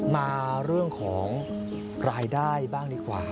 มาเรื่องของรายได้บ้างดีกว่า